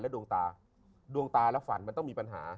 ดวงตาดวงตาและฝันมันต้องมีปัญหา